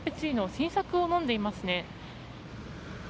新作を飲んでいますね。